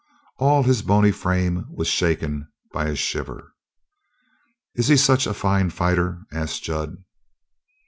All his bony frame was shaken by a shiver. "Is he such a fine fighter?" asked Jud.